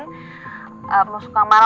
mau suka malah